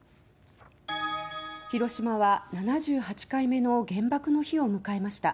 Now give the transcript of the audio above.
広島は７８回目の原爆の日を迎えました。